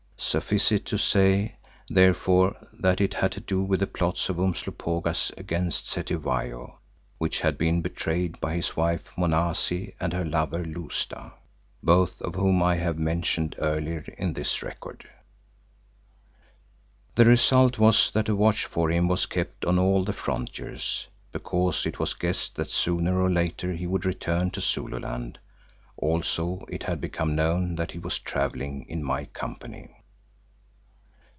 Suffice it to say, therefore, that it had to do with the plots of Umslopogaas against Cetywayo, which had been betrayed by his wife Monazi and her lover Lousta, both of whom I have mentioned earlier in this record. The result was that a watch for him was kept on all the frontiers, because it was guessed that sooner or later he would return to Zululand; also it had become known that he was travelling in my company.